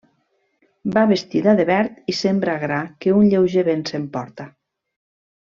Va vestida de verd i sembra gra que un lleuger vent s'emporta.